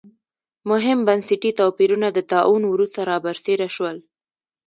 مهم بنسټي توپیرونه د طاعون وروسته را برسېره شول.